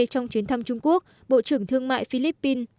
trong chuyến thăm trung quốc bộ trưởng thương mại philippines